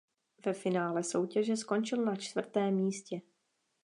Ve finále soutěže skončil na čtvrtém místě.